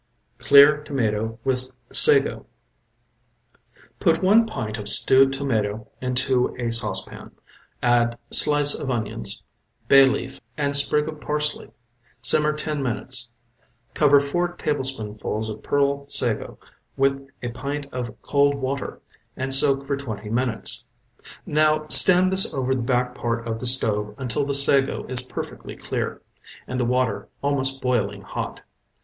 CLEAR TOMATO WITH SAGO Put one pint of stewed tomatoe into a saucepan, add slice of onions, bay leaf and sprig of parsley. Simmer ten minutes. Cover four tablespoonfuls of pearl sago with a pint of cold water and soak for twenty minutes. Now, stand this over the back part of the stove until the sago is perfectly clear, and the water almost boiling hot.